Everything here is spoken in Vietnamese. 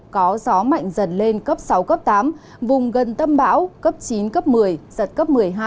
có gió mạnh dần lên cấp sáu cấp tám vùng gần tâm bão cấp chín cấp một mươi giật cấp một mươi hai